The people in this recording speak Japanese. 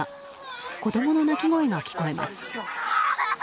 子供の泣き声が聞こえます。